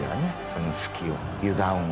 その隙を油断を。